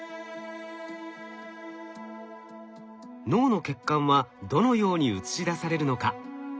脳の血管はどのように映し出されるのか？